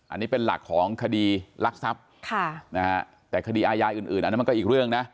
อันนี้เป็นหลักของคดีลักษัพแต่คดีอายายอื่นอันนั้นก็อีกเรื่องนะ